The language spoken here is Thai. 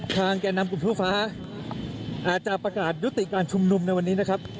แก่นำกลุ่มผู้ฟ้าอาจจะประกาศยุติการชุมนุมในวันนี้นะครับ